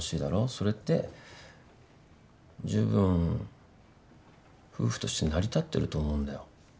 それって十分、夫婦として成り立ってると思うんだよ。